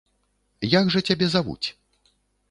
Як жа цябе завуць?